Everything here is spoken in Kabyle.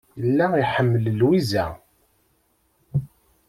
Yella iḥemmel Lwiza.